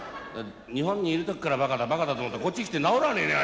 日本にいる時からバカだバカだと思ったらこっち来て治らねえね